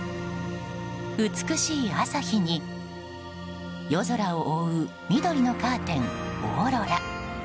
美しい朝日に夜空を覆う緑のカーテンオーロラ。